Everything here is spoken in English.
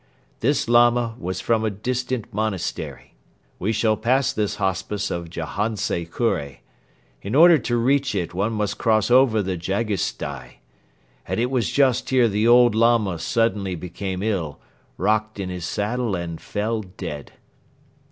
This Lama was from a distant monastery. We shall pass this hospice of Jahantsi Kure. In order to reach it one must cross over the Jagisstai. And it was just here the old Lama suddenly became ill, rocked in his saddle and fell dead.